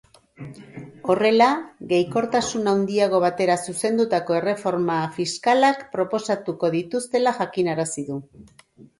Horrela, gehikortasun handiago batera zuzendutako erreforma fiskalak proposatuko dituztela jakinarazi du.